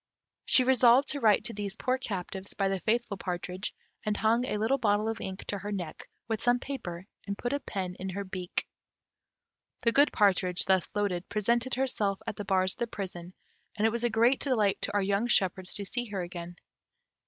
She resolved to write to these poor captives by the faithful partridge, and hung a little bottle of ink to her neck, with some paper, and put a pen in her beak. The good partridge, thus loaded, presented herself at the bars of the prison, and it was a great delight to our young shepherds to see her again.